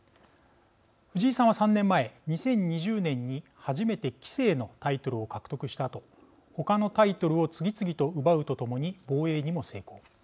藤井さんは３年前、２０２０年に初めて棋聖のタイトルを獲得したあと他のタイトルを次々と奪うとともに防衛にも成功。